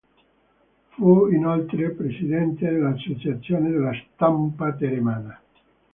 Fu inoltre Presidente dell'Associazione della Stampa Teramana.